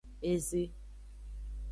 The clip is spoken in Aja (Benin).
Eze.